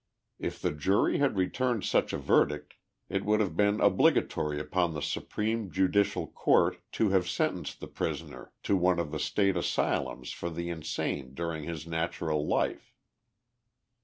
If the jury had returned such a verdict it would have been obligatory upon the supreme judicial court to have sentenced the prisoner to one of the State asylums for the insane during his natural life.